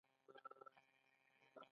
د امیر عبدالرحمن خان پر دوستۍ باور نه کېده.